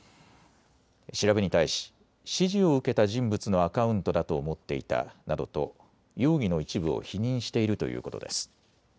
調べに対し指示を受けた人物のアカウントだと思っていたなどと容疑の一部を否認しているということです。